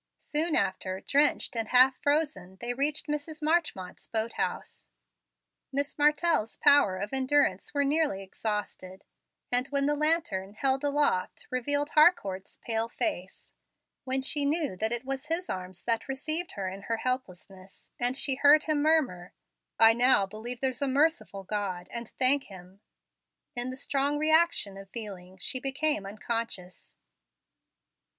Soon after, drenched and half frozen, they reached Mrs. Marchmont's boat house. Miss Martell's powers of endurance were nearly exhausted; and when the lantern, held aloft, revealed Harcourt's pale face, when she knew that it was his arms that received her in her helplessness, and she heard him murmur, "I now believe there's a merciful God, and thank Him," in the strong reaction of feeling she became unconscious.